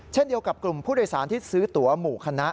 เช่นเดียวกับกลุ่มผู้โดยสารที่ซื้อตัวหมู่คณะ